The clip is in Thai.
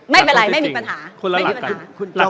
ไม่เป็นไรไม่มีปัญหา